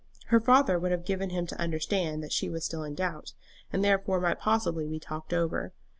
Her father would have given him to understand that she was still in doubt, and therefore might possibly be talked over.